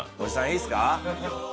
いいっすか？